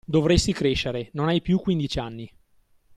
Dovresti crescere, non hai più quindic'anni!